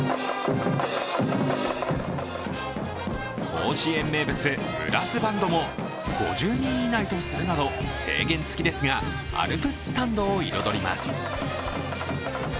甲子園名物、ブラスバンドも５０人以内とするなど制限つきですが、アルプススタンドを彩ります。